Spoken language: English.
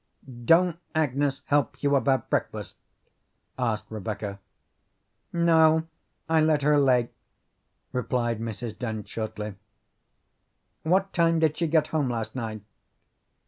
"Don't Agnes help you about breakfast?" asked Rebecca. "No, I let her lay," replied Mrs. Dent shortly. "What time did she get home last night?"